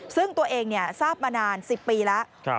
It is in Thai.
ซึ่งตัวเองทราบมานาน๑๐ปีแล้ว